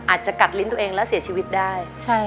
อาจจะกัดลิ้นตัวเองแล้วเสียชีวิตได้